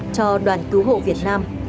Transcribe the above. cho đoàn cứu hộ việt nam